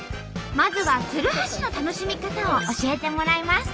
まずは鶴橋の楽しみ方を教えてもらいます。